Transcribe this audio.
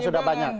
tidak sudah banyak